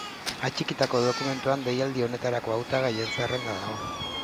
Atxikitako dokumentuan, deialdi honetarako hautagaien zerrenda dago.